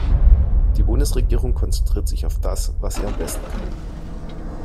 Die Bundesregierung konzentriert sich auf das, was sie am besten kann.